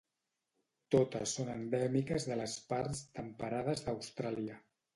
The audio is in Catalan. Totes són endèmiques de les parts temperades d'Austràlia.